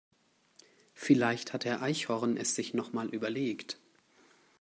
Vielleicht hat Herr Eichhorn es sich noch mal überlegt.